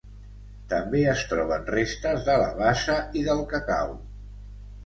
També es troben restes de la bassa i del cacau.